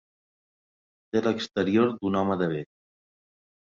Té l'exterior d'un home de bé.